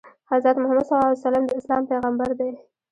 حضرت محمد ﷺ د اسلام پیغمبر دی.